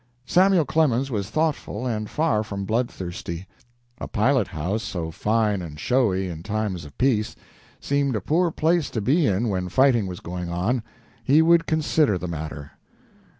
Samuel Clemens was thoughtful, and far from bloodthirsty. A pilothouse, so fine and showy in times of peace, seemed a poor place to be in when fighting was going on. He would consider the matter.